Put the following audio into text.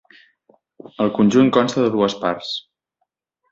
El conjunt consta de dues parts.